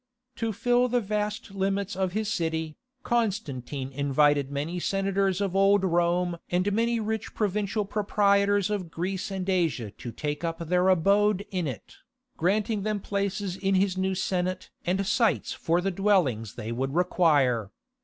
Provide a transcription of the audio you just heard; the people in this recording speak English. To fill the vast limits of his city, Constantine invited many senators of Old Rome and many rich provincial proprietors of Greece and Asia to take up their abode in it, granting them places in his new senate and sites for the dwellings they would require.